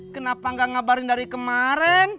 kenapa gak ngabarin dari kemaren